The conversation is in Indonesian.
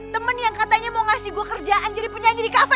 temen yang katanya mau ngasih gue kerjaan jadi penyanyi di kafe